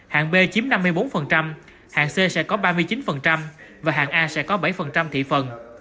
hạng b chiếm năm mươi bốn hạng c sẽ có ba mươi chín và hạng a sẽ có bảy thị phần